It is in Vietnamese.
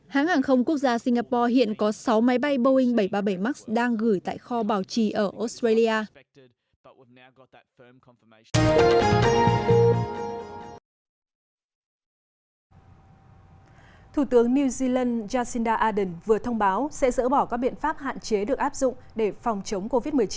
hãng hàng không quốc gia singapore hiện có sáu máy bay boeing bảy trăm ba mươi bảy max đang gửi tại kho bảo trì ở australia